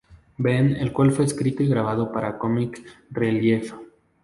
Bean", el cual fue escrito y grabado para Comic Relief.